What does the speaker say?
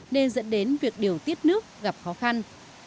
nên dẫn đến việc điều tiết nước gặp khó khăn